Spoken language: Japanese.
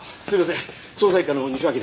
捜査一課の西脇です。